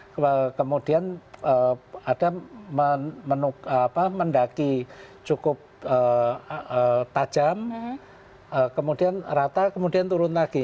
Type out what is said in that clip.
kemudian ada mendaki cukup tajam kemudian rata kemudian turun lagi